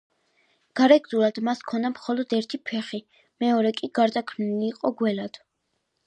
გარეგნულად მას ჰქონდა მხოლოდ ერთი ფეხი, მეორე კი გარდაქმნილი იყო გველად.